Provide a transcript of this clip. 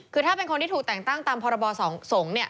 คือถ้าเป็นคนที่ถูกแต่งตั้งตามพรบสงฆ์